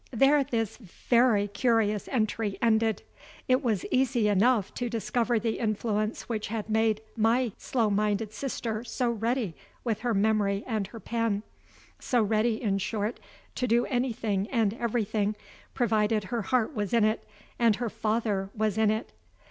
....... There this very curious entry ended. It was easy enough to discover the influence which had made my slow minded sister so ready with her memory and her pen so ready, in short, to do anything and everything, provided her heart was in it, and her father was in it.